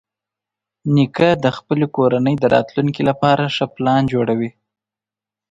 نیکه د خپلې کورنۍ د راتلونکي لپاره ښه پلان جوړوي.